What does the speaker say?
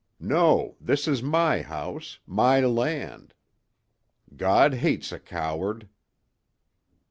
No, this is my house, my land. God hates a coward